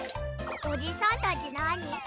おじさんたちなに？